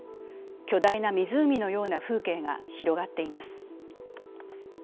巨大な湖のような風景が広がっています。